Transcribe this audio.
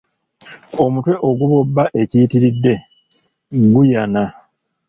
Omutwe ogubobba ekiyitiridde guyana.